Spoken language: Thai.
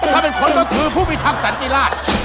ถ้าเป็นคนก็คือผู้มีทักษณ์กิราศ